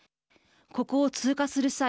ここを通過する際